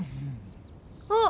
あっ！